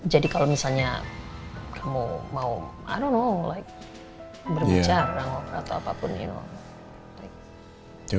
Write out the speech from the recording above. jadi kalau misalnya kamu mau i don't know like berbicara atau apapun ya